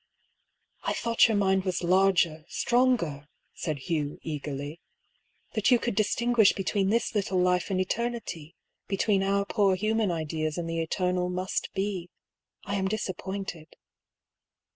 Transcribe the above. "I thought your mind was larger, stronger," said Hugh, eagerly. "That you could distinguish between this little life and eternity; between our poor human ideas and the Eternal Must Be. I am disappointed."